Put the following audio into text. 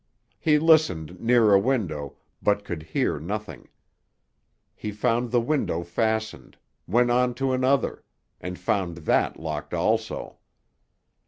He listened near a window, but could hear nothing. He found the window fastened, went on to another, and found that locked also.